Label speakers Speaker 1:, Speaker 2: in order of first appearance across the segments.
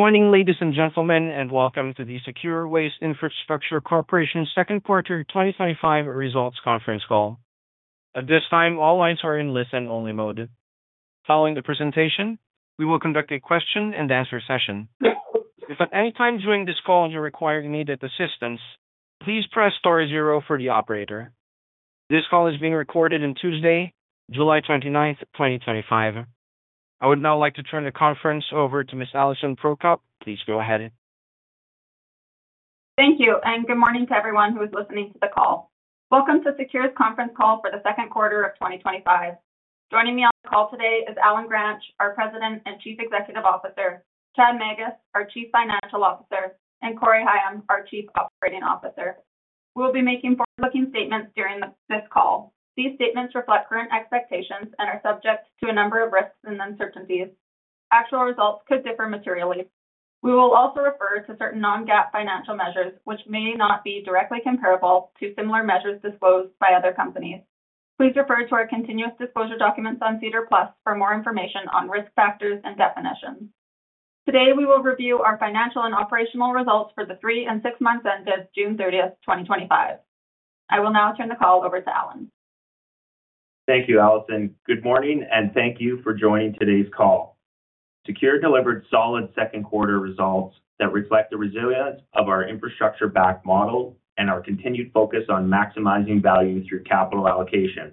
Speaker 1: Good morning, ladies and gentlemen, and welcome to the SECURE Waste Infrastructure Corporation's second quarter 2025 results conference call. At this time, all lines are in listen-only mode. Following the presentation, we will conduct a question and answer session. If at any time during this call you require immediate assistance, please press sta zero for the operator. This call is being recorded on Tuesday, July 29, 2025. I would now like to turn the conference over to Ms. Alison Prokop. Please go ahead.
Speaker 2: Thank you, and good morning to everyone who is listening to the call. Welcome to SECURE's conference call for the second quarter of 2025. Joining me on the call today is Allen Gransch, our President and Chief Executive Officer, Chad Magus, our Chief Financial Officer, and Corey Higham, our Chief Operating Officer. We'll be making forward-looking statements during this call. These statements reflect current expectations and are subject to a number of risks and uncertainties. Actual results could differ materially. We will also refer to certain non-GAAP financial measures, which may not be directly comparable to similar measures disclosed by other companies. Please refer to our continuous disclosure documents on SEDAR+ for more information on risk factors and definitions. Today, we will review our financial and operational results for the three and six months ended June 30, 2025. I will now turn the call over to Allen.
Speaker 3: Thank you, Alison. Good morning, and thank you for joining today's call. SECURE delivered solid second quarter results that reflect the resilience of our infrastructure-backed model and our continued focus on maximizing value through capital allocation.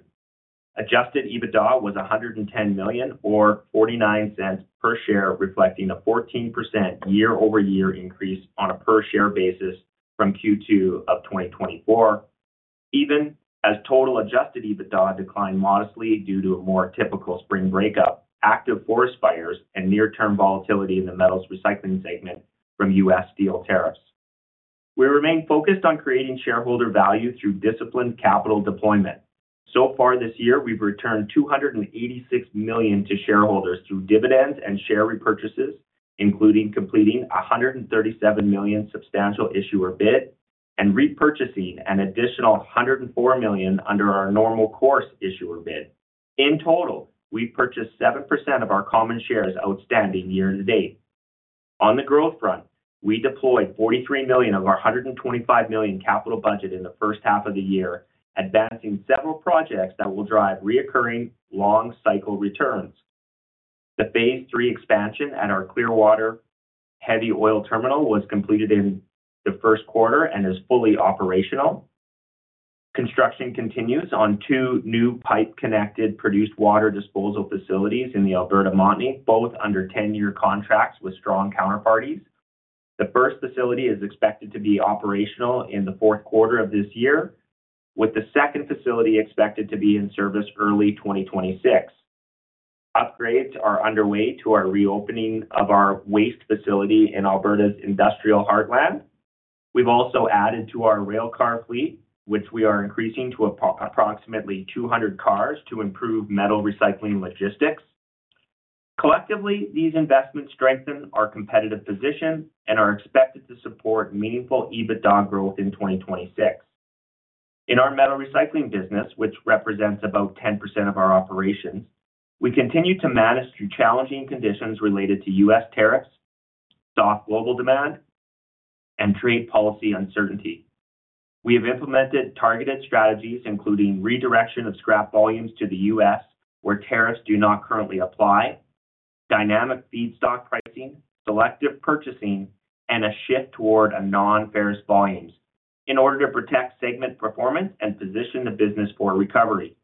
Speaker 3: Adjusted EBITDA was $110 million or $0.49 per share, reflecting a 14% year-over-year increase on a per-share basis from Q2 of 2024, even as total adjusted EBITDA declined modestly due to a more typical spring breakup, active forest fires, and near-term volatility in the metals recycling segment from U.S. steel tariffs. We remain focused on creating shareholder value through disciplined capital deployment. So far this year, we've returned $286 million to shareholders through dividends and share repurchases, including completing a $137 million substantial issuer bid and repurchasing an additional $104 million under our normal course issuer bid. In total, we purchased 7% of our common shares outstanding year to date. On the growth front, we deployed $43 million of our $125 million capital budget in the first half of the year, advancing several projects that will drive recurring long-cycle returns. The phase III expansion at our Clearwater Heavy Oil Terminal was completed in the first quarter and is fully operational. Construction continues on two new pipe-connected produced water disposal facilities in the Alberta Montney, both under 10-year contracts with strong counterparties. The first facility is expected to be operational in the fourth quarter of this year, with the second facility expected to be in service early 2026. Upgrades are underway to our reopening of our waste facility in Alberta's Industrial Heartland. We've also added to our railcar fleet, which we are increasing to approximately 200 cars to improve metals recycling logistics. Collectively, these investments strengthen our competitive position and are expected to support meaningful EBITDA growth in 2026. In our metals recycling business, which represents about 10% of our operations, we continue to manage through challenging conditions related to U.S. tariffs, soft global demand, and trade policy uncertainty. We have implemented targeted strategies, including redirection of scrap volumes to the U.S., where tariffs do not currently apply, dynamic feedstock pricing, selective purchasing, and a shift toward non-ferrous volumes in order to protect segment performance and position the business for recovery.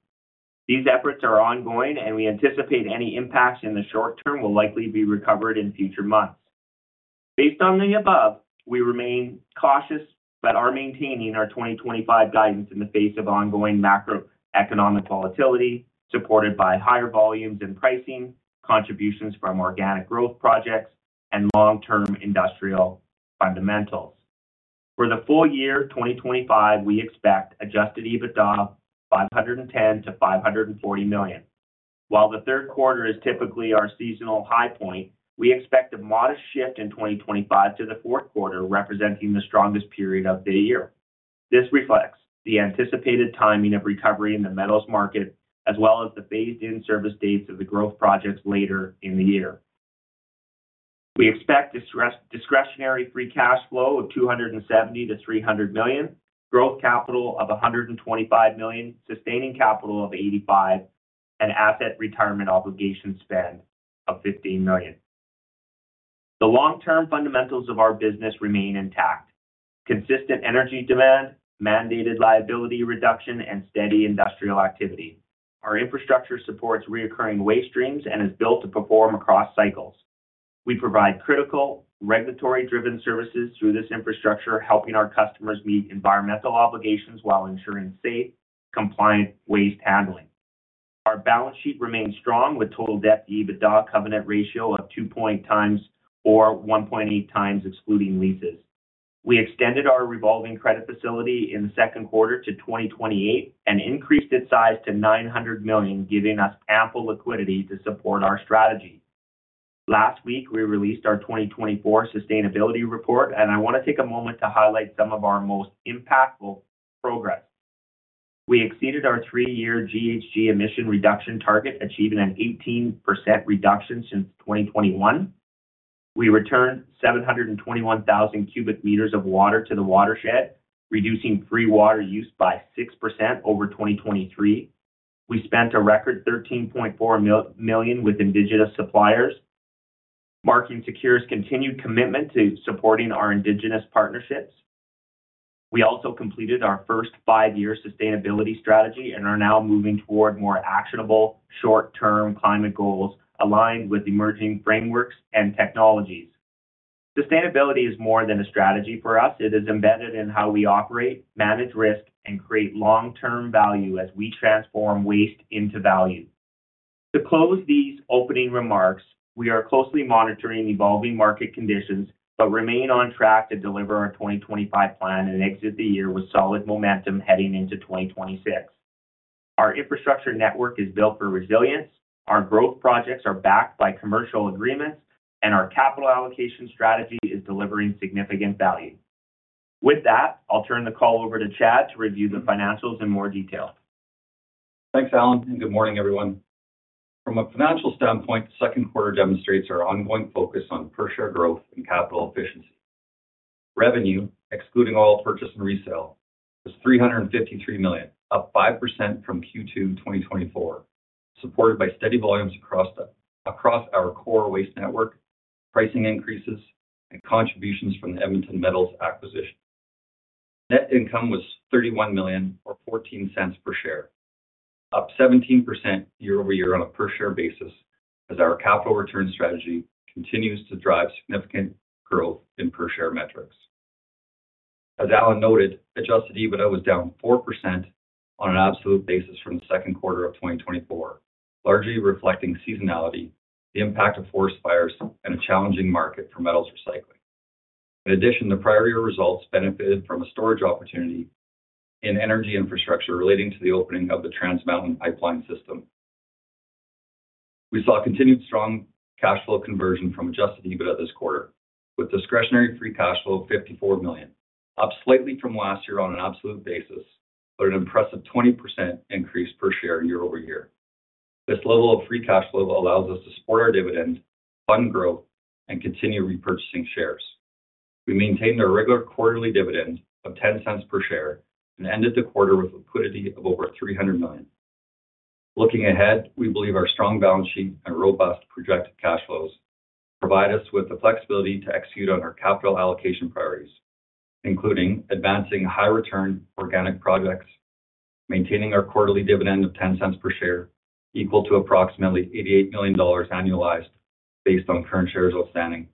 Speaker 3: These efforts are ongoing, and we anticipate any impacts in the short term will likely be recovered in future months. Based on the above, we remain cautious but are maintaining our 2025 guidance in the face of ongoing macroeconomic volatility, supported by higher volumes in pricing, contributions from organic growth projects, and long-term industrial fundamentals. For the full year 2025, we expect adjusted EBITDA of $510 million to $540 million. While the third quarter is typically our seasonal high point, we expect a modest shift in 2025 to the fourth quarter, representing the strongest period of the year. This reflects the anticipated timing of recovery in the metals market, as well as the phased-in service dates of the growth projects later in the year. We expect discretionary free cash flow of $270 million to $300 million, growth capital of $125 million, sustaining capital of $85 million, and asset retirement obligation spend of $15 million. The long-term fundamentals of our business remain intact: consistent energy demand, mandated liability reduction, and steady industrial activity. Our infrastructure supports reoccurring waste streams and is built to perform across cycles. We provide critical regulatory-driven services through this infrastructure, helping our customers meet environmental obligations while ensuring safe, compliant waste handling. Our balance sheet remains strong with a total debt-to-EBITDA covenant ratio of 2.0 times or 1.8 times excluding leases. We extended our revolving credit facility in the second quarter to 2028 and increased its size to $900 million, giving us ample liquidity to support our strategy. Last week, we released our 2024 sustainability report, and I want to take a moment to highlight some of our most impactful progress. We exceeded our three-year GHG reduction target, achieving an 18% reduction since 2021. We returned 721,000 cu meters of water to the watershed, reducing free water use by 6% over 2023. We spent a record $13.4 million with Indigenous suppliers, marking SECURE's continued commitment to supporting our Indigenous partnerships. We also completed our first five-year sustainability strategy and are now moving toward more actionable short-term climate goals aligned with emerging frameworks and technologies. Sustainability is more than a strategy for us; it is embedded in how we operate, manage risk, and create long-term value as we transform waste into value. To close these opening remarks, we are closely monitoring evolving market conditions but remain on track to deliver our 2025 plan and exit the year with solid momentum heading into 2026. Our infrastructure network is built for resilience, our growth projects are backed by commercial agreements, and our capital allocation strategy is delivering significant value. With that, I'll turn the call over to Chad to review the financials in more detail.
Speaker 4: Thanks, Allen, and good morning, everyone. From a financial standpoint, the second quarter demonstrates our ongoing focus on per-share growth and capital efficiency. Revenue, excluding all purchase and resale, was $353 million, up 5% from Q2 2024, supported by steady volumes across our core waste network, pricing increases, and contributions from the Edmonton Metals acquisition. Net income was $31 million or $0.14 per share, up 17% year-over-year on a per-share basis, as our capital return strategy continues to drive significant growth in per-share metrics. As Allen noted, adjusted EBITDA was down 4% on an absolute basis from the second quarter of 2024, largely reflecting seasonality, the impact of forest fires, and a challenging market for metals recycling. In addition, the prior year results benefited from a storage opportunity in energy infrastructure relating to the opening of the Trans Mountain Pipeline system. We saw continued strong cash flow conversion from adjusted EBITDA this quarter, with discretionary free cash flow of $54 million, up slightly from last year on an absolute basis, but an impressive 20% increase per share year-over-year. This level of free cash flow allows us to support our dividend, fund growth, and continue repurchasing shares. We maintained our regular quarterly dividend of $0.10 per share and ended the quarter with liquidity of over $300 million. Looking ahead, we believe our strong balance sheet and robust projected cash flows provide us with the flexibility to execute on our capital allocation priorities, including advancing high-return organic projects, maintaining our quarterly dividend of $0.10 per share, equal to approximately $88 million annualized based on current shares outstanding,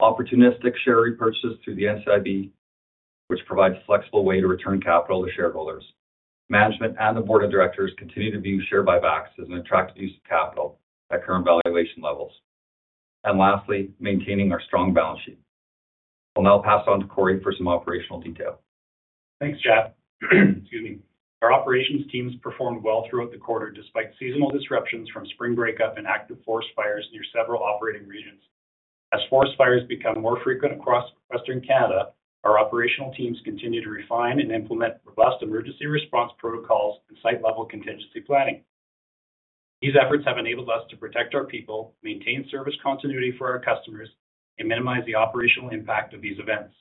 Speaker 4: opportunistic share repurchases through the NCIB, which provides a flexible way to return capital to shareholders. Management and the Board of Directors continue to view share buybacks as an attractive use of capital at current valuation levels, and lastly, maintaining our strong balance sheet. I'll now pass on to Corey for some operational detail.
Speaker 5: Thanks, Chad. Our operations teams performed well throughout the quarter despite seasonal disruptions from spring breakup and active forest fires near several operating regions. As forest fires become more frequent across western Canada, our operational teams continue to refine and implement robust emergency response protocols and site-level contingency planning. These efforts have enabled us to protect our people, maintain service continuity for our customers, and minimize the operational impact of these events.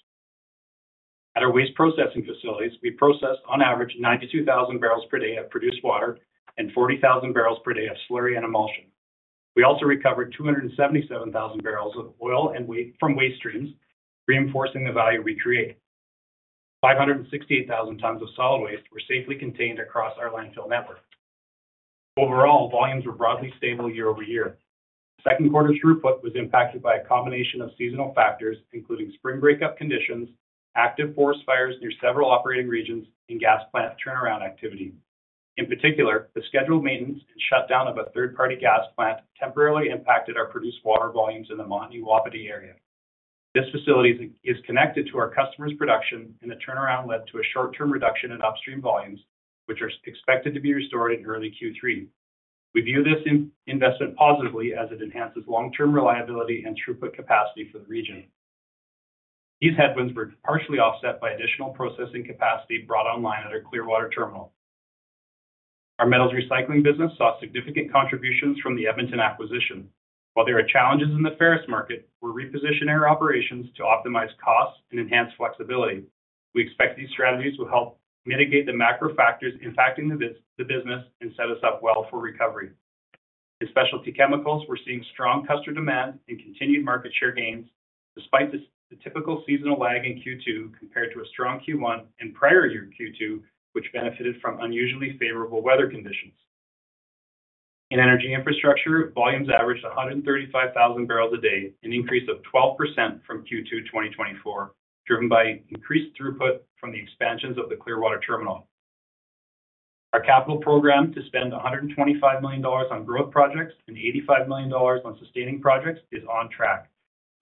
Speaker 5: At our waste processing facilities, we processed on average 92,000 barrels per day of produced water and 40,000 barrels per day of slurry and emulsion. We also recovered 277,000 barrels of oil and weight from waste streams, reinforcing the value we create. 568,000 tons of solid waste were safely contained across our landfill network. Overall, volumes were broadly stable year-over-year. The second quarter's throughput was impacted by a combination of seasonal factors, including spring breakup conditions, active forest fires near several operating regions, and gas plant turnaround activity. In particular, the scheduled maintenance and shutdown of a third-party gas plant temporarily impacted our produced water volumes in the Mountain Ewapiti area. This facility is connected to our customers' production, and the turnaround led to a short-term reduction in upstream volumes, which are expected to be restored in early Q3. We view this investment positively as it enhances long-term reliability and throughput capacity for the region. These headwinds were partially offset by additional processing capacity brought online at our Clearwater Heavy Oil Terminal. Our metals recycling business saw significant contributions from the Edmonton acquisition. While there are challenges in the ferrous market, we're repositioning our operations to optimize costs and enhance flexibility. We expect these strategies will help mitigate the macro factors impacting the business and set us up well for recovery. In specialty chemicals, we're seeing strong customer demand and continued market share gains despite the typical seasonal lag in Q2 compared to a strong Q1 in prior year Q2, which benefited from unusually favorable weather conditions. In energy infrastructure, volumes averaged 135,000 barrels a day, an increase of 12% from Q2 2024, driven by increased throughput from the expansions of the Clearwater Heavy Oil Terminal. Our capital program to spend $125 million on growth projects and $85 million on sustaining projects is on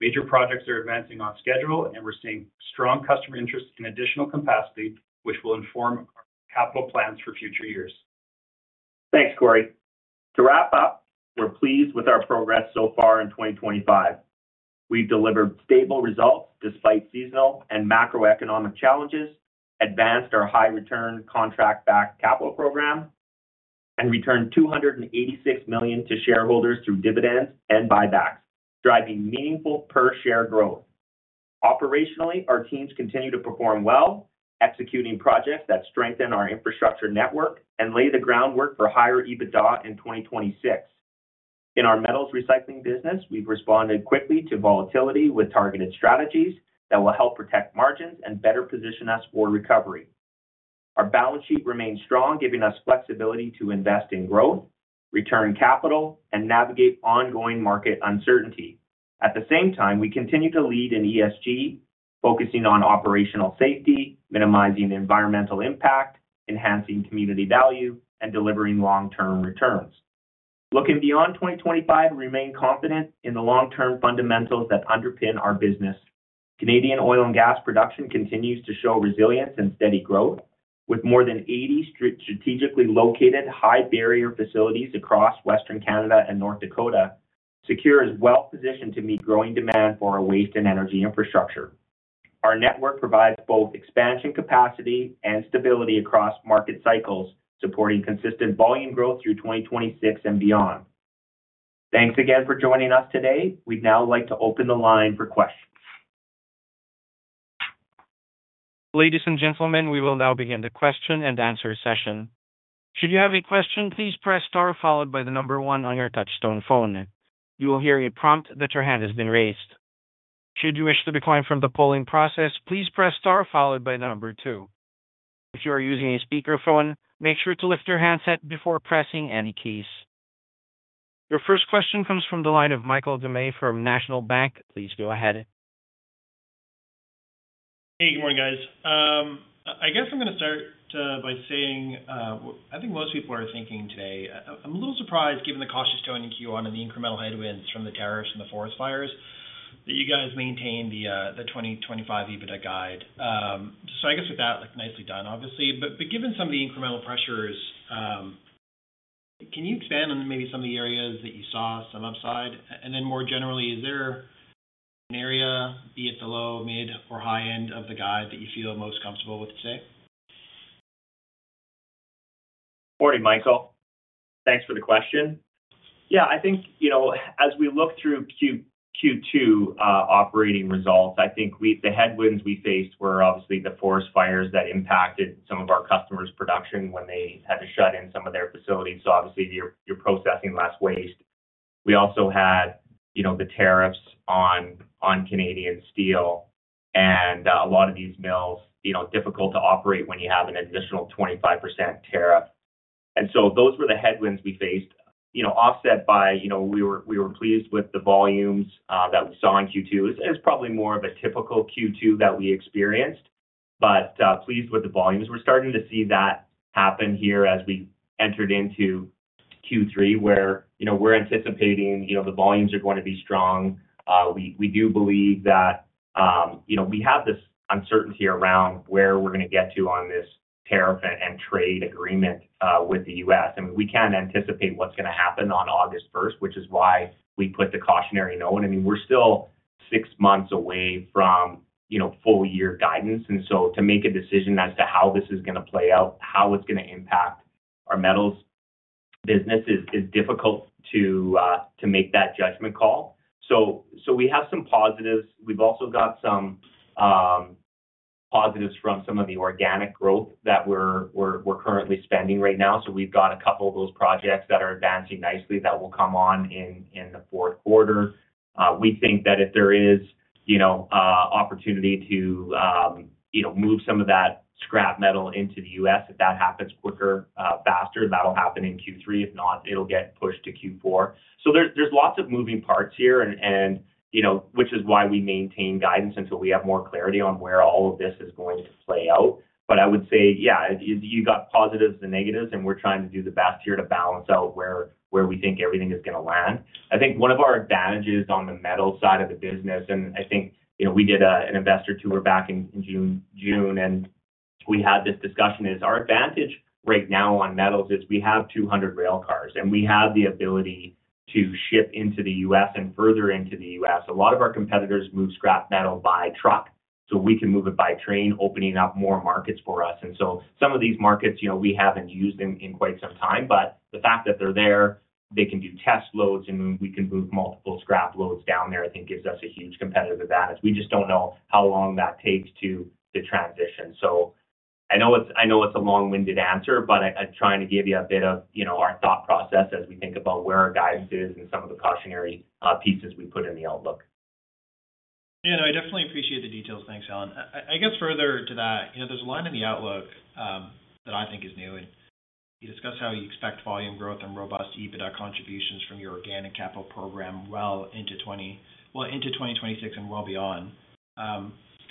Speaker 5: track. Major projects are advancing on schedule, and we're seeing strong customer interest in additional capacity, which will inform our capital plans for future years.
Speaker 3: Thanks, Corey. To wrap up, we're pleased with our progress so far in 2025. We've delivered stable results despite seasonal and macroeconomic challenges, advanced our high-return, contract-backed capital program, and returned $286 million to shareholders through dividends and buybacks, driving meaningful per-share growth. Operationally, our teams continue to perform well, executing projects that strengthen our infrastructure network and lay the groundwork for higher EBITDA in 2026. In our metals recycling business, we've responded quickly to volatility with targeted strategies that will help protect margins and better position us for recovery. Our balance sheet remains strong, giving us flexibility to invest in growth, return capital, and navigate ongoing market uncertainty. At the same time, we continue to lead in ESG, focusing on operational safety, minimizing environmental impact, enhancing community value, and delivering long-term returns. Looking beyond 2025, we remain confident in the long-term fundamentals that underpin our business. Canadian oil and gas production continues to show resilience and steady growth. With more than 80 strategically located high-barrier facilities across western Canada and North Dakota, SECURE is well-positioned to meet growing demand for our waste and energy infrastructure. Our network provides both expansion capacity and stability across market cycles, supporting consistent volume growth through 2026 and beyond. Thanks again for joining us today. We'd now like to open the line for questions.
Speaker 1: Ladies and gentlemen, we will now begin the question and answer session. Should you have a question, please press star followed by the number one on your touchstone phone. You will hear a prompt that your hand has been raised. Should you wish to decline from the polling process, please press star followed by the number two. If you are using a speakerphone, make sure to lift your handset before pressing any keys. Your first question comes from the line of Michael Doumet from National Bank. Please go ahead.
Speaker 6: Hey, good morning, guys. I guess I'm going to start by saying I think most people are thinking today I'm a little surprised, given the cautious tone in Q1 and the incremental headwinds from the tariffs and the forest fires, that you guys maintained the 2025 EBITDA guide. With that, nicely done, obviously. Given some of the incremental pressures, can you expand on maybe some of the areas that you saw some upside? More generally, is there an area, be it the low, mid, or high end of the guide, that you feel most comfortable with today?
Speaker 3: Morning, Michael. Thanks for the question. Yeah, I think, you know, as we look through Q2 operating results, I think the headwinds we faced were obviously the forest fires that impacted some of our customers' production when they had to shut in some of their facilities. Obviously, you're processing less waste. We also had the tariffs on Canadian steel and a lot of these mills, you know, difficult to operate when you have an additional 25% tariff. Those were the headwinds we faced. You know, offset by, you know, we were pleased with the volumes that we saw in Q2. It's probably more of a typical Q2 that we experienced, but pleased with the volumes. We're starting to see that happen here as we entered into Q3, where, you know, we're anticipating the volumes are going to be strong. We do believe that, you know, we have this uncertainty around where we're going to get to on this tariff and trade agreement with the U.S. I mean, we can't anticipate what's going to happen on August 1, which is why we put the cautionary note. We're still six months away from full-year guidance. To make a decision as to how this is going to play out, how it's going to impact our metals business is difficult to make that judgment call. We have some positives. We've also got some positives from some of the organic growth that we're currently spending right now. We've got a couple of those projects that are advancing nicely that will come on in the fourth quarter. We think that if there is opportunity to move some of that scrap metal into the U.S., if that happens quicker, faster, that'll happen in Q3. If not, it'll get pushed to Q4. There's lots of moving parts here, which is why we maintain guidance until we have more clarity on where all of this is going to play out. I would say, yeah, you got positives and negatives, and we're trying to do the best here to balance out where we think everything is going to land. I think one of our advantages on the metals side of the business, and I think, you know, we did an investor tour back in June, and we had this discussion, is our advantage right now on metals is we have 200 railcars and we have the ability to ship into the U.S. and further into the U.S. A lot of our competitors move scrap metal by truck, so we can move it by train, opening up more markets for us. Some of these markets, you know, we haven't used them in quite some time, but the fact that they're there, they can do test loads and we can move multiple scrap loads down there, I think gives us a huge competitive advantage. We just don't know how long that takes to transition. I know it's a long-winded answer, but I'm trying to give you a bit of, you know, our thought process as we think about where our guidance is and some of the cautionary pieces we put in the outlook.
Speaker 6: Yeah, no, I definitely appreciate the details. Thanks, Allen. I guess further to that, you know, there's a line in the outlook that I think is new, and you discuss how you expect volume growth and robust EBITDA contributions from your organic capital program well into 2026 and well beyond.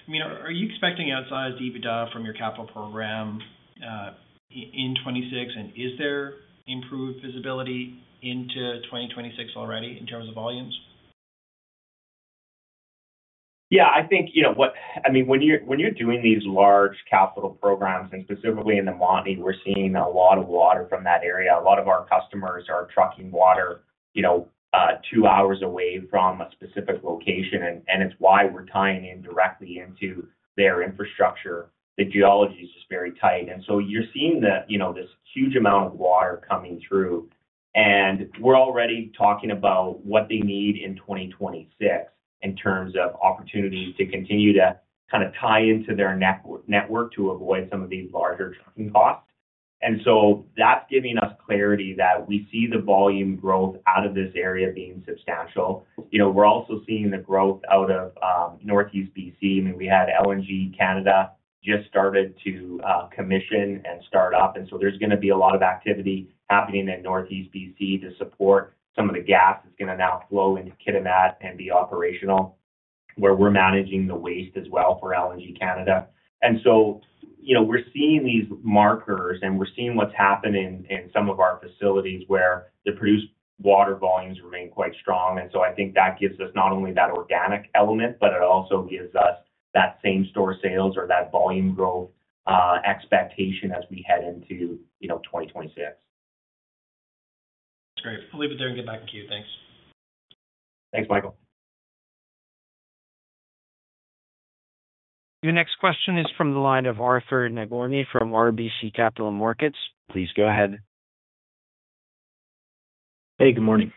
Speaker 6: I mean, are you expecting outsized EBITDA from your capital program in 2026, and is there improved visibility into 2026 already in terms of volumes?
Speaker 3: Yeah, I think, you know, when you're doing these large capital programs and specifically in the Montney, we're seeing a lot of water from that area. A lot of our customers are trucking water, you know, two hours away from a specific location, and it's why we're tying in directly into their infrastructure. The geology is just very tight, and you're seeing this huge amount of water coming through. We're already talking about what they need in 2026 in terms of opportunities to continue to kind of tie into their network to avoid some of these larger trucking costs. That's giving us clarity that we see the volume growth out of this area being substantial. We're also seeing the growth out of Northeast BC. I mean, we had LNG Canada just started to commission and start up, and there's going to be a lot of activity happening in Northeast BC to support some of the gas that's going to now flow into Kitimat and be operational, where we're managing the waste as well for LNG Canada. We're seeing these markers and we're seeing what's happening in some of our facilities where the produced water volumes remain quite strong. I think that gives us not only that organic element, but it also gives us that same store sales or that volume growth expectation as we head into 2026.
Speaker 6: That's great. I'll leave it there and get back to you. Thanks.
Speaker 3: Thanks, Michael.
Speaker 1: Your next question is from the line of Arthur Nagorny from RBC Capital Markets. Please go ahead.
Speaker 7: Hey, good morning.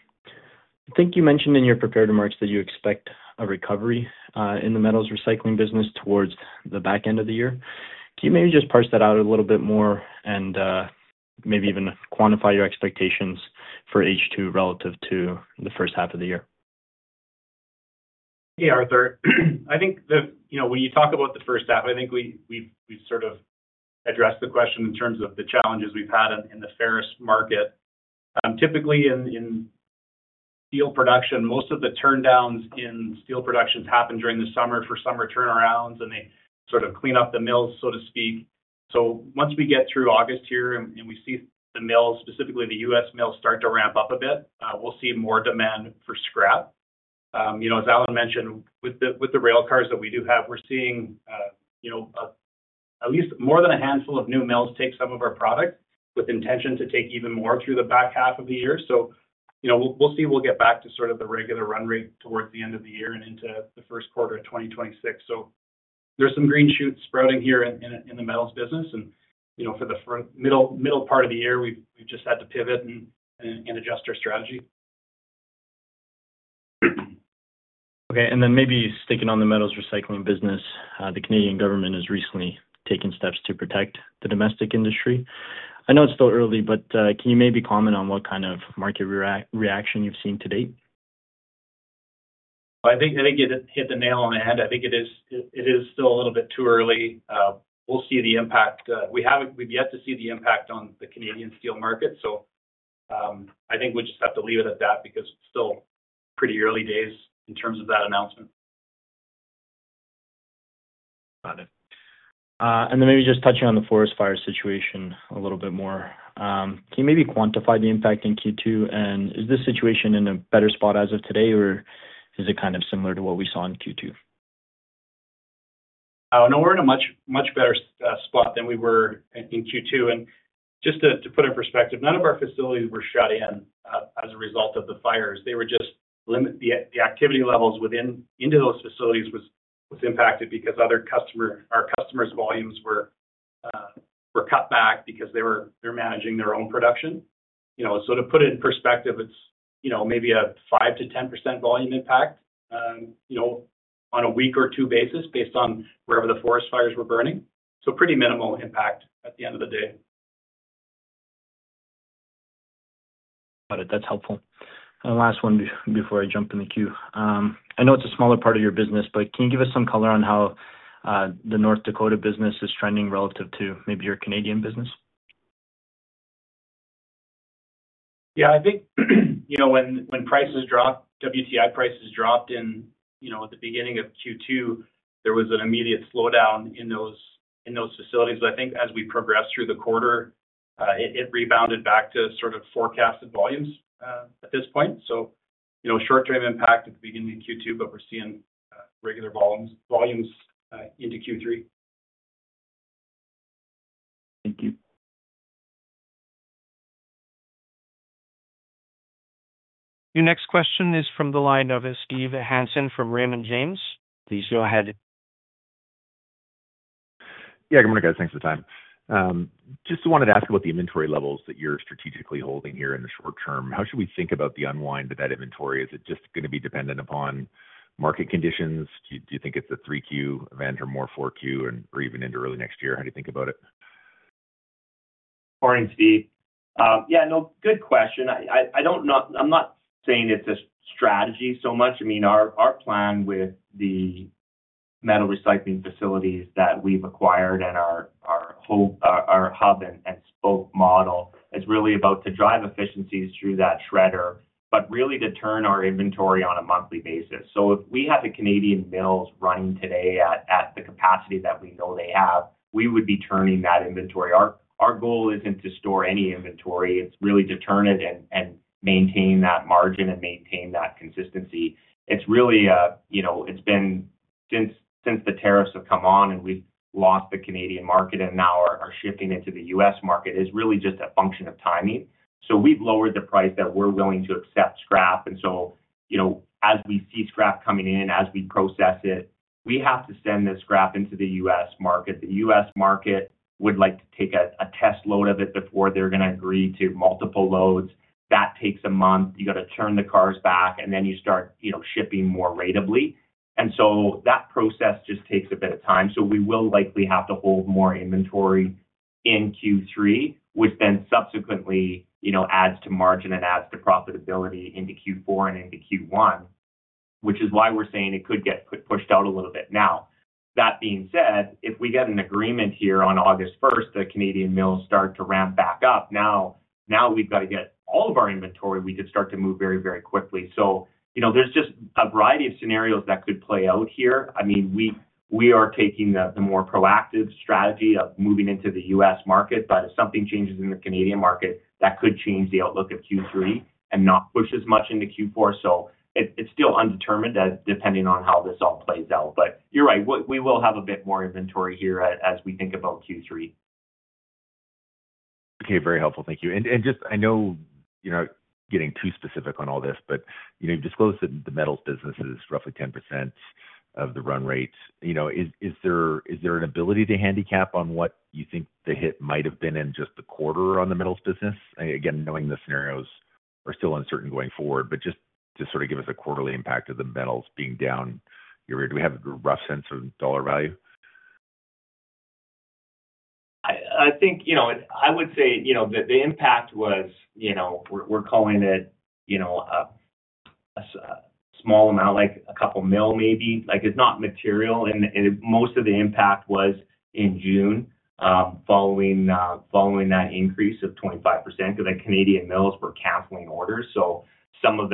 Speaker 7: I think you mentioned in your prepared remarks that you expect a recovery in the metals recycling business towards the back end of the year. Can you maybe just parse that out a little bit more and maybe even quantify your expectations for H2 relative to the first half of the year?
Speaker 5: Yeah, Arthur. I think that, you know, when you talk about the first half, I think we've addressed the question in terms of the challenges we've had in the ferrous market. Typically, in steel production, most of the turndowns in steel production happen during the summer for summer turnarounds, and they clean up the mills, so to speak. Once we get through August here and we see the mills, specifically the U.S. mills, start to ramp up a bit, we'll see more demand for scrap. As Allen mentioned, with the railcars that we do have, we're seeing at least more than a handful of new mills take some of our product with intention to take even more through the back half of the year. We'll see if we'll get back to the regular run rate towards the end of the year and into the first quarter of 2026. There are some green shoots sprouting here in the metals business. For the middle part of the year, we've just had to pivot and adjust our strategy.
Speaker 7: Okay. Maybe sticking on the metals recycling business, the Canadian government has recently taken steps to protect the domestic industry. I know it's still early, but can you maybe comment on what kind of market reaction you've seen to date?
Speaker 5: I think you hit the nail on the head. I think it is still a little bit too early. We'll see the impact. We haven't yet to see the impact on the Canadian steel market. I think we just have to leave it at that because it's still pretty early days in terms of that announcement.
Speaker 7: Got it. Maybe just touching on the forest fire situation a little bit more, can you maybe quantify the impact in Q2? Is this situation in a better spot as of today, or is it kind of similar to what we saw in Q2?
Speaker 5: Oh, no, we're in a much, much better spot than we were in Q2. Just to put it in perspective, none of our facilities were shut in as a result of the fires. They were just limited. The activity levels within those facilities were impacted because our customers' volumes were cut back because they're managing their own production. To put it in perspective, it's maybe a 5% to 10% volume impact on a week or two basis based on wherever the forest fires were burning. Pretty minimal impact at the end of the day.
Speaker 7: Got it. That's helpful. The last one before I jump in the queue, I know it's a smaller part of your business, but can you give us some color on how the North Dakota business is trending relative to maybe your Canadian business?
Speaker 5: Yeah, I think when prices dropped, WTI prices dropped at the beginning of Q2, there was an immediate slowdown in those facilities. I think as we progressed through the quarter, it rebounded back to sort of forecasted volumes at this point. Short-term impact at the beginning of Q2, but we're seeing regular volumes into Q3.
Speaker 7: Thank you.
Speaker 1: Your next question is from the line of Steven Hansen from Raymond James. Please go ahead.
Speaker 8: Good morning, guys. Thanks for the time. Just wanted to ask about the inventory levels that you're strategically holding here in the short term. How should we think about the unwind of that inventory? Is it just going to be dependent upon market conditions? Do you think it's a 3Q event or more 4Q or even into early next year? How do you think about it?
Speaker 3: Morning, Steve. Yeah, no, good question. I don't know. I'm not saying it's a strategy so much. I mean, our plan with the metals recycling facilities that we've acquired and our hub and spoke model is really about to drive efficiencies through that shredder, but really to turn our inventory on a monthly basis. If we have the Canadian mills running today at the capacity that we know they have, we would be turning that inventory. Our goal isn't to store any inventory. It's really to turn it and maintain that margin and maintain that consistency. It's really, you know, it's been since the tariffs have come on and we've lost the Canadian market and now are shifting into the U.S. market, it's really just a function of timing. We've lowered the price that we're willing to accept scrap. As we see scrap coming in, as we process it, we have to send this scrap into the U.S. market. The U.S. market would like to take a test load of it before they're going to agree to multiple loads. That takes a month. You have to turn the cars back and then you start, you know, shipping more rateably. That process just takes a bit of time. We will likely have to hold more inventory in Q3, which then subsequently adds to margin and adds to profitability into Q4 and into Q1, which is why we're saying it could get pushed out a little bit. That being said, if we get an agreement here on August 1, the Canadian mills start to ramp back up. Now we've got to get all of our inventory. We could start to move very, very quickly. There's just a variety of scenarios that could play out here. We are taking the more proactive strategy of moving into the U.S. market, but if something changes in the Canadian market, that could change the outlook of Q3 and not push as much into Q4. It's still undetermined depending on how this all plays out. You're right, we will have a bit more inventory here as we think about Q3.
Speaker 8: Okay, very helpful. Thank you. I know you're not getting too specific on all this, but you've disclosed that the metals business is roughly 10% of the run rate. Is there an ability to handicap on what you think the hit might have been in just the quarter on the metals business? Again, knowing the scenarios are still uncertain going forward, just to sort of give us a quarterly impact of the metals being down, do we have a rough sense of dollar value?
Speaker 3: I think I would say the impact was, we're calling it a small amount, like a couple million maybe. It's not material. Most of the impact was in June, following that increase of 25% because the Canadian mills were canceling orders. Some of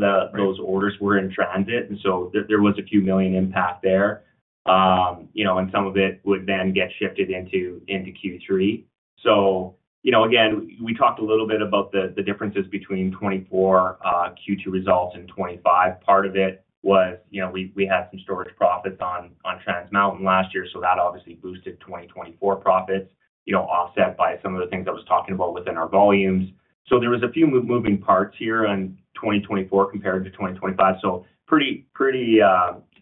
Speaker 3: those orders were in transit, and there was a $2 million impact there, and some of it would then get shifted into Q3. We talked a little bit about the differences between 2024 Q2 results and 2025. Part of it was we had some storage profits on Trans Mountain last year. That obviously boosted 2024 profits, offset by some of the things I was talking about within our volumes. There were a few moving parts here in 2024 compared to 2025.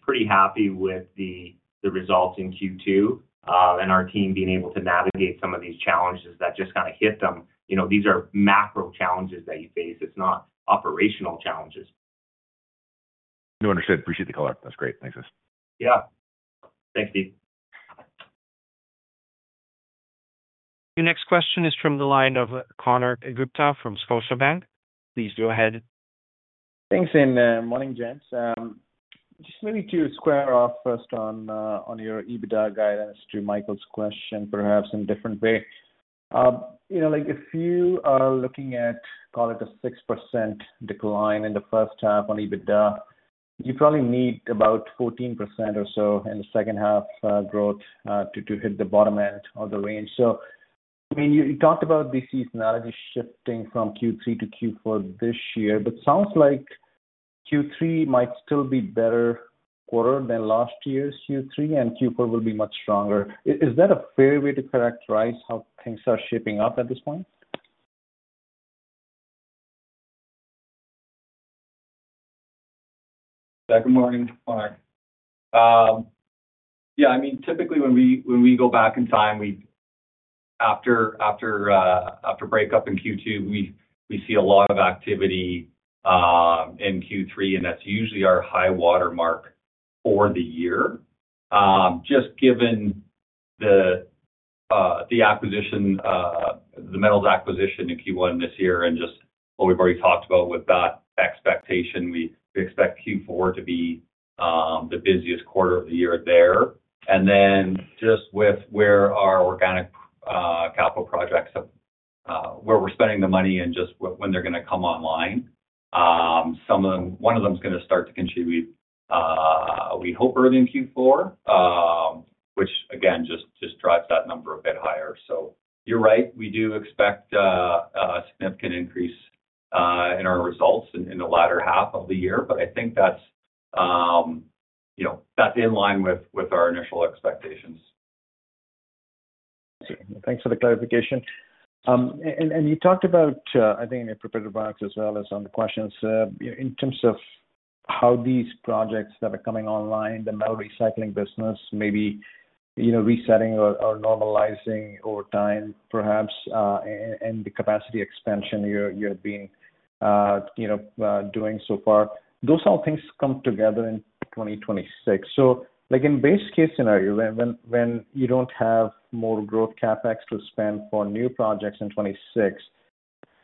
Speaker 3: Pretty happy with the results in Q2 and our team being able to navigate some of these challenges that just kind of hit them. These are macro challenges that you face. It's not operational challenges.
Speaker 8: No, understood. Appreciate the color. That's great. Thanks, guys.
Speaker 3: Yeah, thanks, Steven.
Speaker 1: Your next question is from the line of Konark Gupta from Scotiabank. Please go ahead.
Speaker 9: Thanks, and morning, gents. Just maybe to square off first on your EBITDA guidance to Michael's question, perhaps in a different way. If you are looking at, call it a 6% decline in the first half on EBITDA, you probably need about 14% or so in the second half growth to hit the bottom end of the range. You talked about the seasonality shifting from Q3 to Q4 this year, but it sounds like Q3 might still be a better quarter than last year's Q3, and Q4 will be much stronger. Is that a fair way to characterize how things are shaping up at this point?
Speaker 5: Yeah, good morning. Typically, when we go back in time, after breakup in Q2, we see a lot of activity in Q3, and that's usually our high water mark for the year. Just given the acquisition, the metals acquisition in Q1 this year, and just what we've already talked about with that expectation, we expect Q4 to be the busiest quarter of the year there. With where our organic capital projects have, where we're spending the money and just when they're going to come online, some of them, one of them is going to start to contribute, we hope, early in Q4, which again just drives that number a bit higher. You're right. We do expect a significant increase in our results in the latter half of the year, but I think that's in line with our initial expectations.
Speaker 9: Thanks for the clarification. You talked about, I think, in your prepared remarks as well as on the questions, in terms of how these projects that are coming online, the metals recycling business maybe resetting or normalizing over time, perhaps, and the capacity expansion you have been doing so far, those all things come together in 2026. In a base case scenario, when you do not have more growth CapEx to spend for new projects in 2026,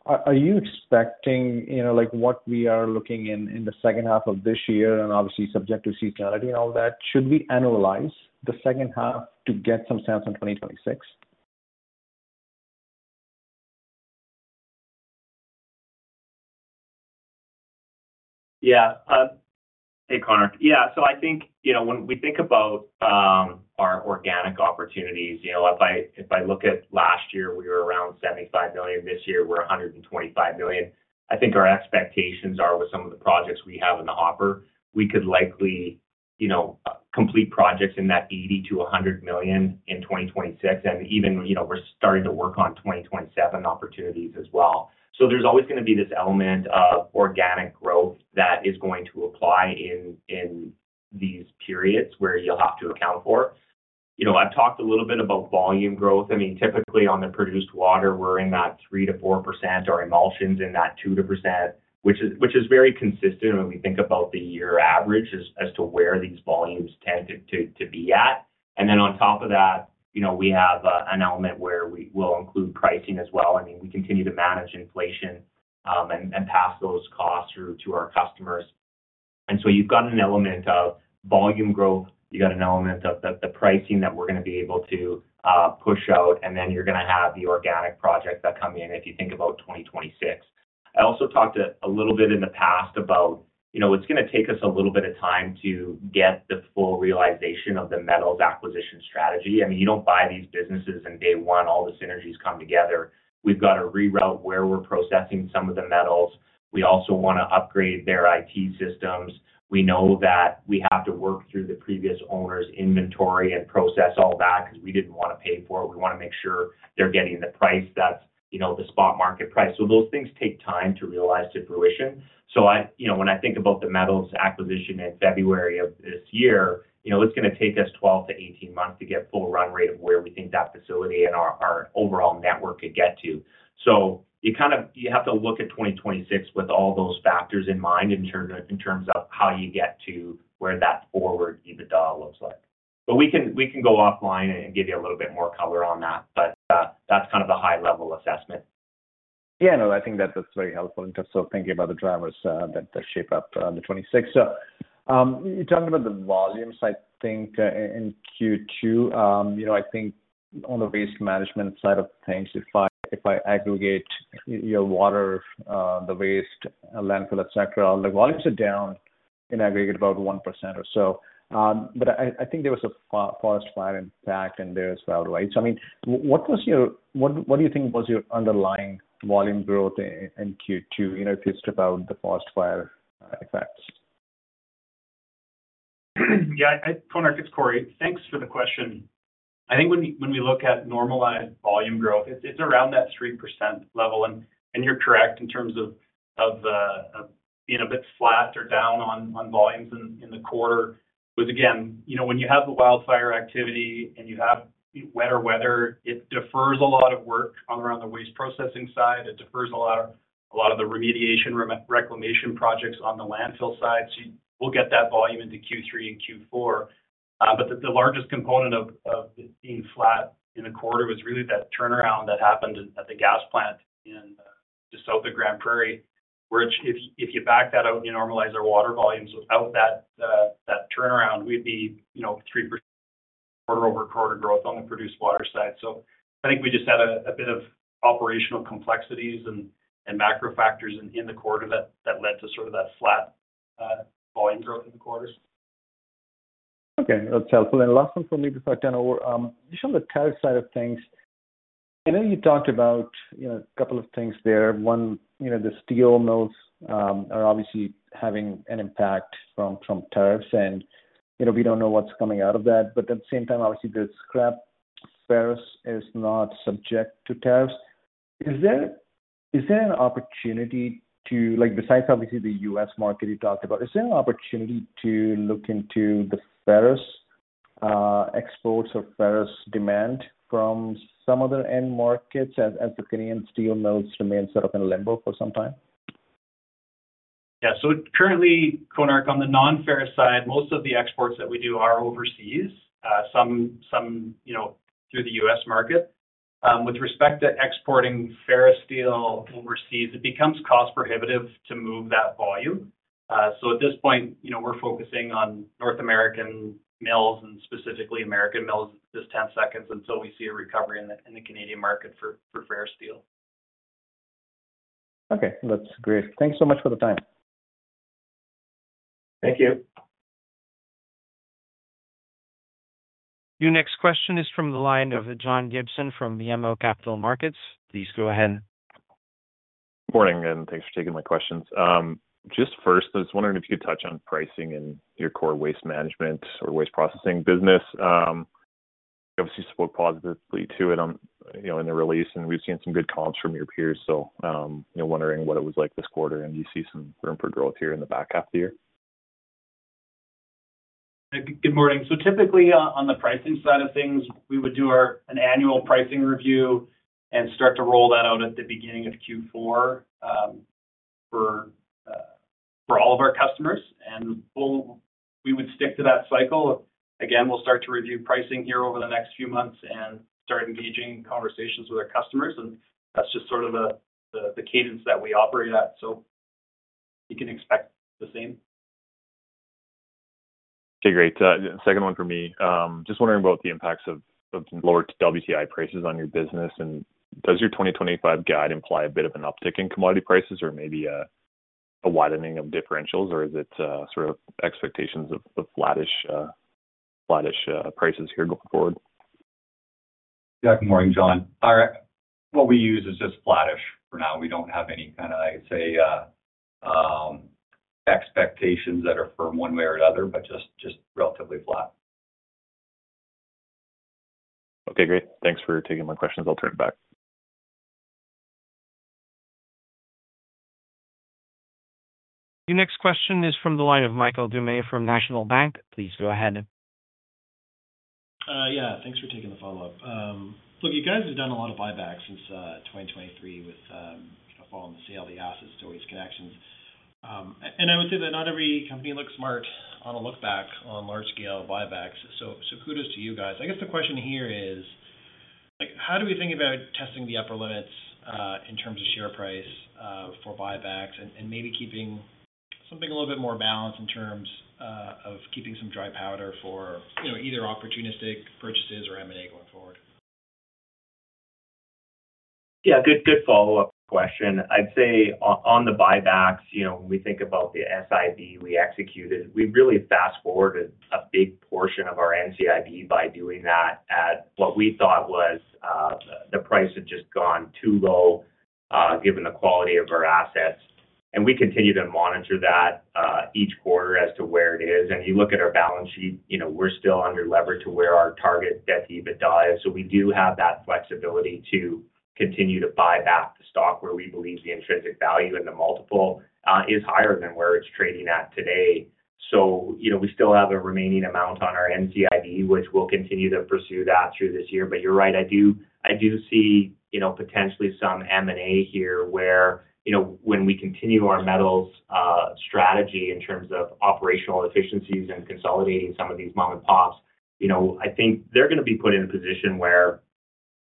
Speaker 9: are you expecting, like what we are looking at in the second half of this year, and obviously subject to seasonality and all that, should we annualize the second half to get some sense in 2026?
Speaker 3: Yeah. Hey, Konark. Yeah. I think, you know, when we think about our organic opportunities, if I look at last year, we were around $75 million. This year, we're $125 million. I think our expectations are with some of the projects we have in the hopper, we could likely, you know, complete projects in that $80 to $100 million in 2026. Even, you know, we're starting to work on 2027 opportunities as well. There's always going to be this element of organic growth that is going to apply in these periods where you'll have to account for. I've talked a little bit about volume growth. I mean, typically on the produced water, we're in that 3 to 4%, our emulsions in that 2 to 2%, which is very consistent when we think about the year average as to where these volumes tend to be at. On top of that, we have an element where we will include pricing as well. I mean, we continue to manage inflation and pass those costs through to our customers. You've got an element of volume growth. You've got an element of the pricing that we're going to be able to push out. You're going to have the organic projects that come in if you think about 2026. I also talked a little bit in the past about, you know, it's going to take us a little bit of time to get the full realization of the metals acquisition strategy. I mean, you don't buy these businesses and day one all the synergies come together. We've got to reroute where we're processing some of the metals. We also want to upgrade their IT systems. We know that we have to work through the previous owner's inventory and process all that because we didn't want to pay for it. We want to make sure they're getting the price that's, you know, the spot market price. Those things take time to realize to fruition. When I think about the metals acquisition in February of this year, you know, it's going to take us 12 to 18 months to get full run rate of where we think that facility and our overall network could get to. You have to look at 2026 with all those factors in mind in terms of how you get to where that forward EBITDA looks like. We can go offline and give you a little bit more color on that. That's kind of the high-level assessment.
Speaker 9: Yeah, no, I think that's very helpful in terms of thinking about the drivers that shape up the 2026. You talked about the volumes, I think, in Q2. I think on the waste management side of things, if I aggregate your water, the waste, landfill, etc., all the volumes are down in aggregate about 1% or so. I think there was a forest fire impact in there as well, right? What do you think was your underlying volume growth in Q2 if you strip out the forest fire effects?
Speaker 5: Yeah, Konark, it's Corey, thanks for the question. I think when we look at normalized volume growth, it's around that 3% level. You're correct in terms of being a bit flat or down on volumes in the quarter. It was, again, when you have the wildfire activity and you have wetter weather, it defers a lot of work on the waste processing side. It defers a lot of the remediation reclamation projects on the landfill side. We'll get that volume into Q3 and Q4. The largest component of being flat in a quarter was really that turnaround that happened at the gas plant in the Dakota Grand Prairie, which if you back that out and you normalize our water volumes without that turnaround, we'd be 3% quarter-over-quarter growth on the produced water side. I think we just had a bit of operational complexities and macro factors in the quarter that led to sort of that flat volume growth in the quarters.
Speaker 9: Okay, that's helpful. The last one for me before I turn over, just on the tariff side of things, I know you talked about a couple of things there. One, the steel mills are obviously having an impact from tariffs, and we don't know what's coming out of that. At the same time, obviously, the scrap ferrous is not subject to tariffs. Is there an opportunity to, like, besides obviously the U.S. market you talked about, is there an opportunity to look into the ferrous exports or ferrous demand from some other end markets as the Canadian steel mills remain sort of in limbo for some time?
Speaker 5: Yeah, so currently, Konark, on the non-ferrous side, most of the exports that we do are overseas, some through the U.S. market. With respect to exporting ferrous steel overseas, it becomes cost-prohibitive to move that volume. At this point, we're focusing on North American mills and specifically American mills until we see a recovery in the Canadian market for ferrous steel.
Speaker 9: Okay, that's great. Thanks so much for the time.
Speaker 5: Thank you.
Speaker 1: Your next question is from the line of John Gibson from BMO Capital Markets. Please go ahead.
Speaker 10: Morning, and thanks for taking my questions. First, I was wondering if you could touch on pricing in your core waste management or waste processing business. You obviously spoke positively to it in the release, and we've seen some good comps from your peers. Wondering what it was like this quarter, and do you see some room for growth here in the back half of the year?
Speaker 5: Good morning. Typically, on the pricing side of things, we would do an annual pricing review and start to roll that out at the beginning of Q4 for all of our customers. We would stick to that cycle. We will start to review pricing here over the next few months and start engaging in conversations with our customers. That is just sort of the cadence that we operate at. You can expect the same.
Speaker 10: Okay, great. Second one for me. Just wondering about the impacts of some lower WTI prices on your business. Does your 2025 guide imply a bit of an uptick in commodity prices or maybe a widening of differentials, or is it sort of expectations of flattish prices here going forward?
Speaker 4: Yeah, good morning, John. All right. What we use is just flattish for now. We don't have any kind of, I'd say, expectations that are firm one way or the other, but just relatively flat.
Speaker 10: Okay, great. Thanks for taking my questions. I'll turn it back.
Speaker 1: Your next question is from the line of Michael Doumet from National Bank. Please go ahead
Speaker 6: Yeah, thanks for taking the follow-up. Look, you guys have done a lot of buybacks since 2023, you know, following the sale of the assets to Waste Connections. I would say that not every company looks smart on a look back on large-scale buybacks, so kudos to you guys. I guess the question here is, how do we think about testing the upper limits in terms of share price for buybacks and maybe keeping something a little bit more balanced in terms of keeping some dry powder for, you know, either opportunistic purchases or M&A going forward?
Speaker 3: Yeah, good follow-up question. I'd say on the buybacks, you know, when we think about the issuer bid we executed, we really fast-forwarded a big portion of our NCIB by doing that at what we thought was the price had just gone too low given the quality of our assets. We continue to monitor that each quarter as to where it is. You look at our balance sheet, you know, we're still under levered to where our target debt-to-EBITDA is. We do have that flexibility to continue to buy back the stock where we believe the intrinsic value in the multiple is higher than where it's trading at today. We still have a remaining amount on our NCIB, which we'll continue to pursue through this year. You're right, I do see potentially some M&A here where, when we continue our metals strategy in terms of operational efficiencies and consolidating some of these mom-and-pops, I think they're going to be put in a position where,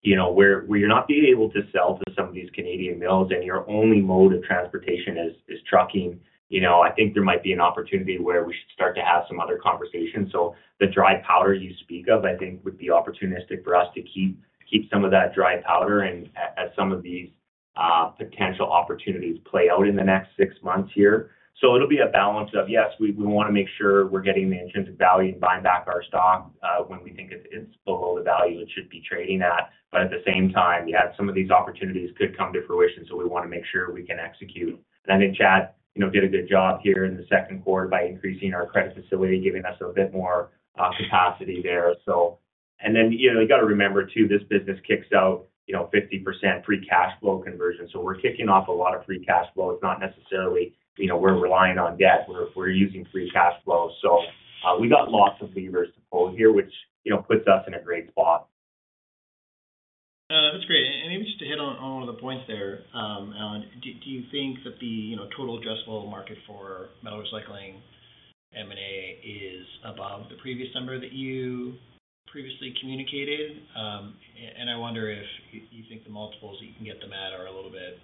Speaker 3: when you're not being able to sell to some of these Canadian mills and your only mode of transportation is trucking, I think there might be an opportunity where we should start to have some other conversations. The dry powder you speak of, I think, would be opportunistic for us to keep some of that dry powder as some of these potential opportunities play out in the next six months. It'll be a balance of, yes, we want to make sure we're getting the intrinsic value and buying back our stock when we think it's below the value it should be trading at. At the same time, some of these opportunities could come to fruition. We want to make sure we can execute. I think Chad did a good job here in the second quarter by increasing our revolving credit facility, giving us a bit more capacity there. You got to remember too, this business kicks out 50% free cash flow conversion. We're kicking off a lot of free cash flow. It's not necessarily we're relying on debt. We're using free cash flow. We got lots of levers to pull here, which puts us in a great spot.
Speaker 6: That's great. Maybe just to hit on one of the points there, Allen, do you think that the total addressable market for metals recycling M&A is above the previous number that you previously communicated? I wonder if you think the multiples that you can get them at are a little bit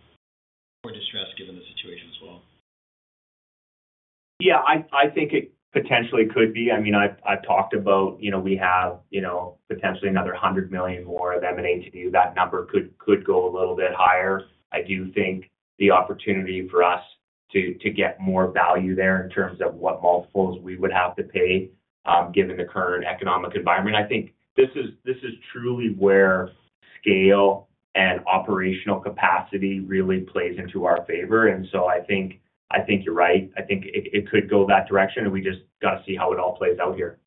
Speaker 6: more distressed given the situation as well.
Speaker 3: I think it potentially could be. I mean, I've talked about, you know, we have potentially another $100 million more of M&A to do. That number could go a little bit higher. I do think the opportunity for us to get more value there in terms of what multiples we would have to pay given the current economic environment. I think this is truly where scale and operational capacity really plays into our favor. I think you're right. I think it could go that direction, and we just got to see how it all plays out here.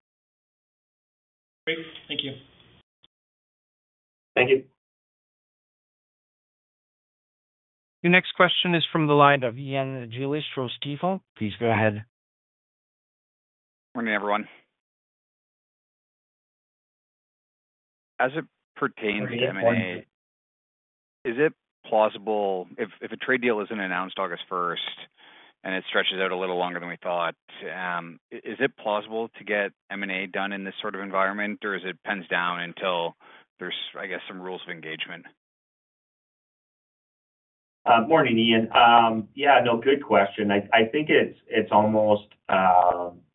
Speaker 6: Great. Thank you.
Speaker 3: Thank you.
Speaker 1: Your next question is from the line of Ian Gilles from Stifel. Please go ahead.
Speaker 11: Morning, everyone. As it pertains to M&A, is it plausible if a trade deal isn't announced August 1 and it stretches out a little longer than we thought, is it plausible to get M&A done in this sort of environment, or is it pens down until there's, I guess, some rules of engagement?
Speaker 3: Morning, Ian. Good question. I think it's almost,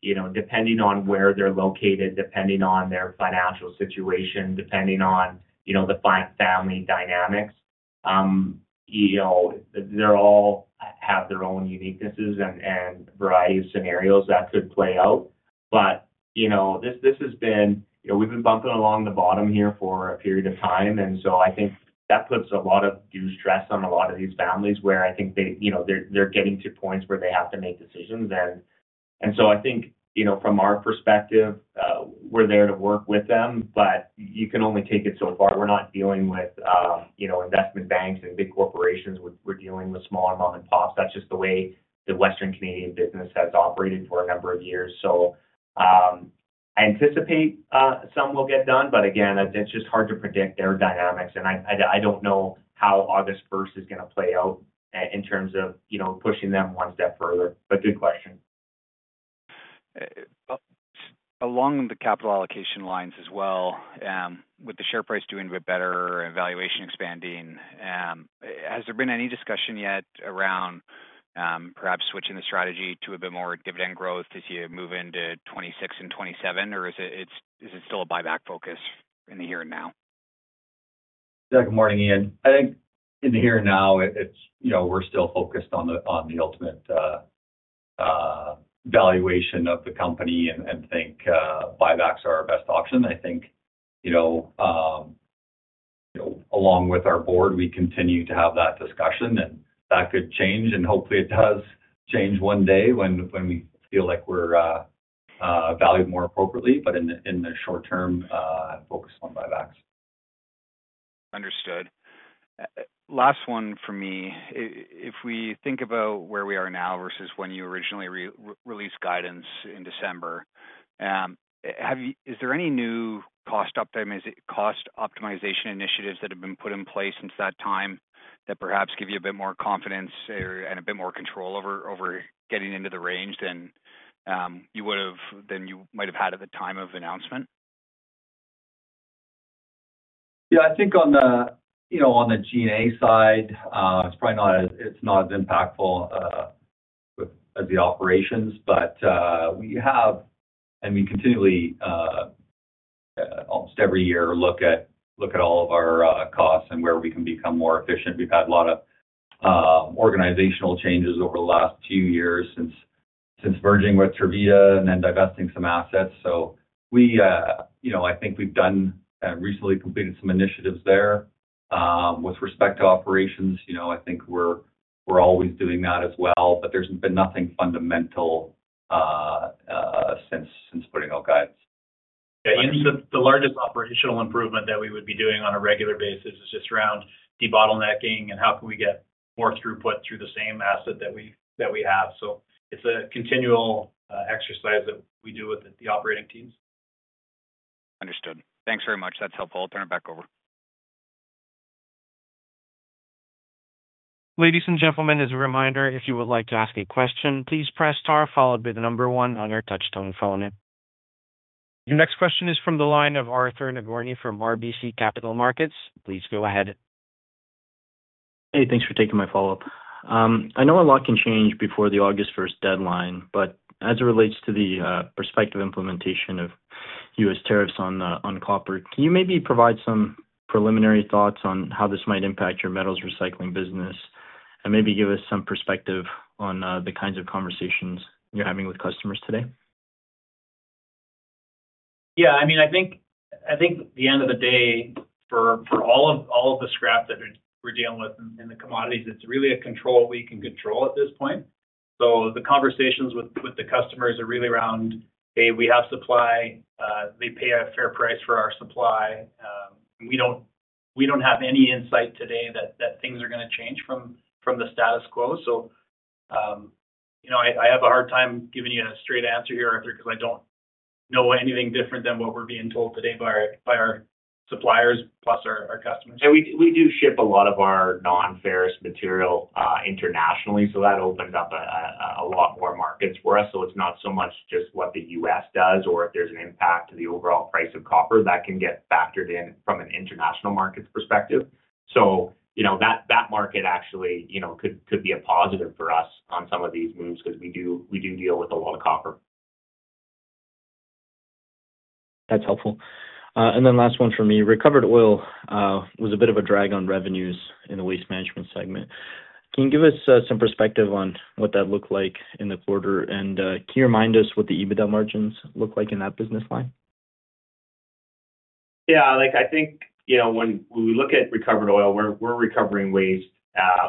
Speaker 3: you know, depending on where they're located, depending on their financial situation, depending on the family dynamics. They all have their own uniquenesses and a variety of scenarios that could play out. This has been, you know, we've been bumping along the bottom here for a period of time. I think that puts a lot of due stress on a lot of these families where I think they, you know, they're getting to points where they have to make decisions. I think, you know, from our perspective, we're there to work with them, but you can only take it so far. We're not dealing with investment banks and big corporations. We're dealing with small mom-and-pops. That's just the way the Western Canadian business has operated for a number of years. I anticipate some will get done, but again, it's just hard to predict their dynamics. I don't know how August 1st is going to play out in terms of pushing them one step further. Good question.
Speaker 11: Along the capital allocation lines as well, with the share price doing a bit better and valuation expanding, has there been any discussion yet around perhaps switching the strategy to a bit more dividend growth to see a move into 2026 and 2027, or is it still a buyback focus in the here and now?
Speaker 4: Good morning, Ian. I think in the here and now, we're still focused on the ultimate valuation of the company and think buybacks are our best option. Along with our board, we continue to have that discussion and that could change. Hopefully, it does change one day when we feel like we're valued more appropriately. In the short term, I'm focused on buybacks.
Speaker 11: Understood. Last one for me. If we think about where we are now versus when you originally released guidance in December, is there any new cost optimization initiatives that have been put in place since that time that perhaps give you a bit more confidence and a bit more control over getting into the range than you would have had at the time of announcement?
Speaker 4: Yeah, I think on the G&A side, it's probably not as impactful as the operations, but we have, and we continually almost every year look at all of our costs and where we can become more efficient. We've had a lot of organizational changes over the last few years since merging with Tervita and then divesting some assets. I think we've done recently completed some initiatives there. With respect to operations, I think we're always doing that as well, but there's been nothing fundamental since putting out guidance. The largest operational improvement that we would be doing on a regular basis is just around de-bottlenecking and how can we get more throughput through the same asset that we have. It's a continual exercise that we do with the operating teams.
Speaker 11: Understood. Thanks very much. That's helpful. I'll turn it back over.
Speaker 1: Ladies and gentlemen, as a reminder, if you would like to ask a question, please press star followed by the number one on your touch-tone phone. Your next question is from the line of Arthur Nagorny from RBC Capital Markets. Please go ahead.
Speaker 7: Hey, thanks for taking my follow-up. I know a lot can change before the August 1 deadline, but as it relates to the prospective implementation of U.S. tariffs on copper, can you maybe provide some preliminary thoughts on how this might impact your metals recycling business and maybe give us some perspective on the kinds of conversations you're having with customers today?
Speaker 5: Yeah, I mean, I think at the end of the day, for all of the scrap that we're dealing with in the commodities, it's really a control we can control at this point. The conversations with the customers are really around, "Hey, we have supply. They pay a fair price for our supply." We don't have any insight today that things are going to change from the status quo. I have a hard time giving you a straight answer here, Arthur, because I don't know anything different than what we're being told today by our suppliers plus our customers.
Speaker 3: We do ship a lot of our non-ferrous material internationally, so that opens up a lot more markets for us. It's not so much just what the U.S. does or if there's an impact to the overall price of copper that can get factored in from an international market's perspective. That market actually could be a positive for us on some of these moves because we do deal with a lot of copper.
Speaker 7: That's helpful. Last one for me. Recovered oil was a bit of a drag on revenues in the waste management segment. Can you give us some perspective on what that looked like in the quarter? Can you remind us what the EBITDA margins look like in that business line?
Speaker 3: Yeah, like I think, you know, when we look at recovered oil, we're recovering waste.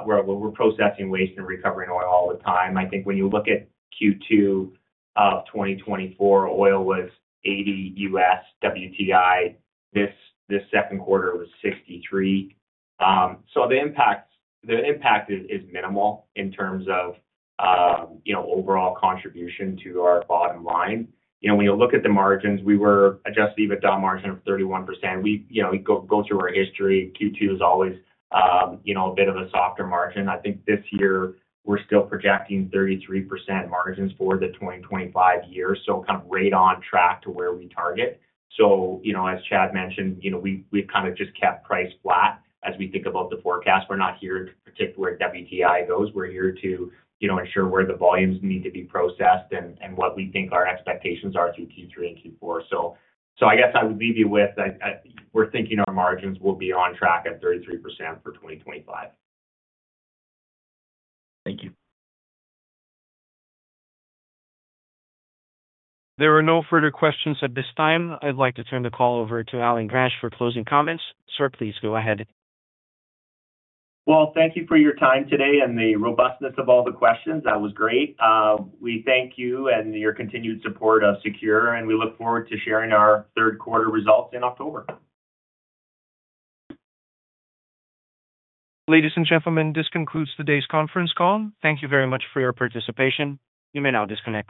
Speaker 3: We're processing waste and recovering oil all the time. I think when you look at Q2 of 2024, oil was $80 U.S. WTI. This second quarter was $63. The impact is minimal in terms of, you know, overall contribution to our bottom line. When you look at the margins, we were adjusted EBITDA margin of 31%. We, you know, go through our history. Q2 is always, you know, a bit of a softer margin. I think this year we're still projecting 33% margins for the 2025 year, kind of right on track to where we target. As Chad mentioned, you know, we've kind of just kept price flat as we think about the forecast. We're not here to predict where WTI goes. We're here to, you know, ensure where the volumes need to be processed and what we think our expectations are through Q3 and Q4. I guess I would leave you with that we're thinking our margins will be on track at 33% for 2025.
Speaker 7: Thank you.
Speaker 1: There are no further questions at this time. I'd like to turn the call over to Allen Gransch for closing comments. Sir, please go ahead.
Speaker 3: Thank you for your time today and the robustness of all the questions. That was great. We thank you and your continued support of SECURE, and we look forward to sharing our third quarter results in October.
Speaker 1: Ladies and gentlemen, this concludes today's conference call. Thank you very much for your participation. You may now disconnect.